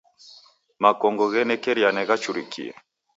Makongo ghenekeriana ghachurikie.